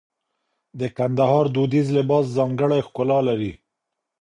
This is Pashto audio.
د کندهار دودیز لباس ځانګړی ښکلا لري.